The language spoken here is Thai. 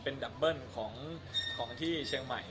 เป็นดับเบิ้ลของที่เชียงใหม่